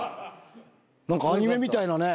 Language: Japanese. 何かアニメみたいなね。